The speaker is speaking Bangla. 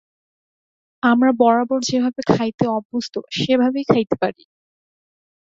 আমরা বরাবর যেভাবে খাইতে অভ্যস্ত, সেভাবেই খাইতে পারি।